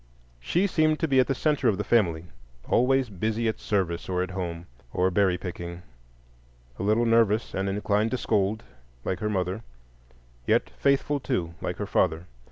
She seemed to be the centre of the family: always busy at service, or at home, or berry picking; a little nervous and inclined to scold, like her mother, yet faithful, too, like her father.